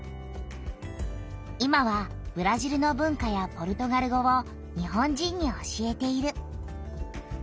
今はブラジルの文化やポルトガル語を日本人に教えている。